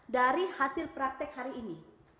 dari hasil praktek hari ini